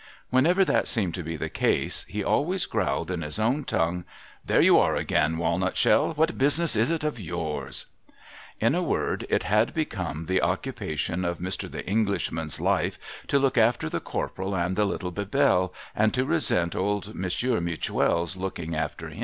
^^l^enever that seemed to be the case, he always growled in his own tongue, ' There you are again, walnut shell ! What business is it of j07^rs ?' In a word, it had become the occupation of Mr. The Englishman's life to look after the Corporal and little Bebelle, and to resent old Monsieur Mutuel's looking after